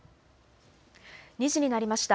２時になりました。